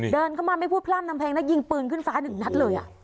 เดินเข้ามาไม่พูดพร่ำทำเพลงแล้วยิงปืนขึ้นฟ้าหนึ่งนัดเลย